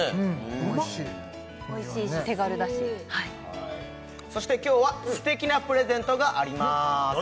おいしいおいしいし手軽だしそして今日は素敵なプレゼントがあります